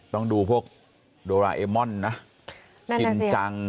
ต้องดูพวกโดราเอมอนนะชินจัง